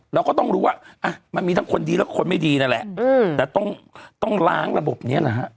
เราก็ต้องรู้ว่ามันมีทั้งคนดีและคนไม่ดีนั่นแหละแต่ต้องล้างระบบนี้นะฮะ